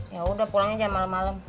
ya udah pulangnya jam malem malem